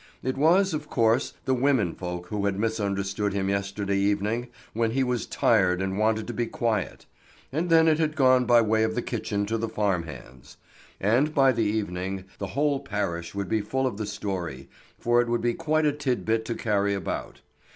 It was of course the women folk who had misunderstood him yesterday evening when he was tired and wanted to be quiet. And then it had gone by way of the kitchen to the farm hands. And by the evening the whole parish would be full of the story, for it would be quite a tit bit to carry about.